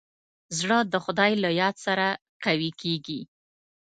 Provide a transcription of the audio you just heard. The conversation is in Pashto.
زړه د خدای له یاد سره قوي کېږي.